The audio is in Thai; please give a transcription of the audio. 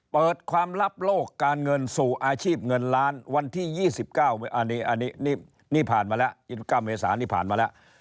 เปิดความลับโลกการเงินสู่อาชีพเงินล้านวันที่๒๙เมืสาห์